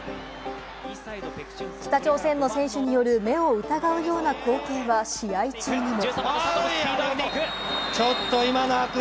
北朝鮮の選手による目を疑うような光景は試合中にも。